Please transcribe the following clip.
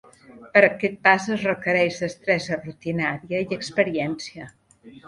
Per aquest pas es requereix destresa rutinària i experiència.